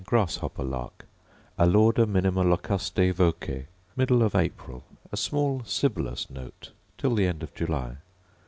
Grasshopper lark, Alauda minima locustae voce: Middle of April: a small sibilous note, till the end of July.